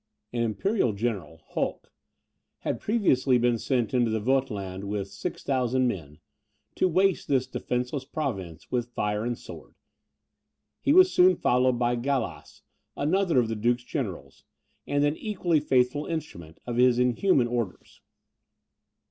An imperial general, Holk, had previously been sent into Vogtland with 6,000 men, to waste this defenceless province with fire and sword, he was soon followed by Gallas, another of the Duke's generals, and an equally faithful instrument of his inhuman orders.